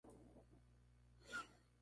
Finalmente, los husitas salieron victoriosos.